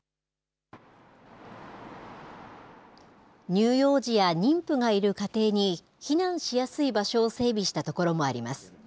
乳幼児や妊婦がいる家庭に避難しやすい場所を整備した所もあります。